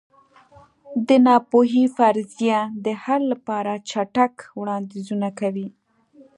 د ناپوهۍ فرضیه د حل لپاره چټک وړاندیزونه کوي.